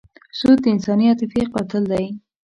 سود د انساني عاطفې قاتل دی.